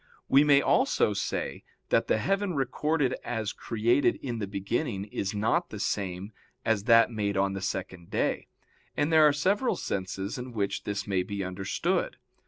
We may also say that the heaven recorded as created in the beginning is not the same as that made on the second day; and there are several senses in which this may be understood.